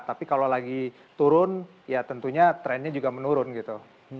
tapi kalau lagi turun ya tentunya trennya juga menurun gitu